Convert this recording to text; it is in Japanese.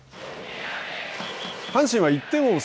阪神は１点を追う